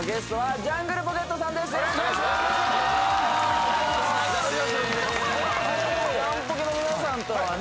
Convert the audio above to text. ジャンポケの皆さんとはね